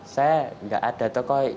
saya gak ada tokoh